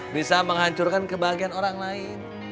bisa menghancurkan kebahagiaan orang lain